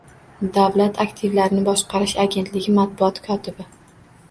Davlat aktivlarini boshqarish agentligi matbuot kotibi